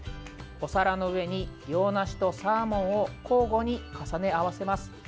お皿の上に洋梨とサーモンを交互に重ね合わせます。